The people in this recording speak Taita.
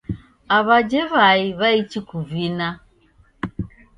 Aw'ajhe w'ai w'aichi kuvina.